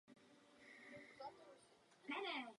Důležité je také hmotné zajištění knihoven.